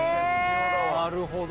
なるほど。